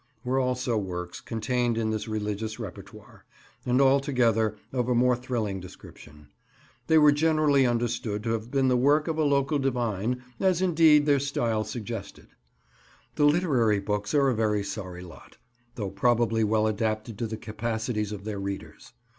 were also works contained in this religious repertoire, and altogether of a more thrilling description. They were generally understood to have been the work of a local divine, as indeed their style suggested. The library books are a very sorry lot, though probably well adapted to the capacities of their readers.